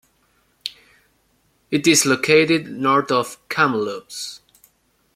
It is located north of Kamloops.